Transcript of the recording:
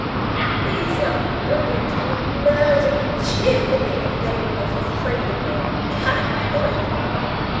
These young brigands would murder me cheerfully, if they were not afraid of being caned for it.